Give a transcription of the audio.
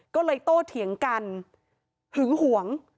ก็เลยโตเถียงกันหึงหวง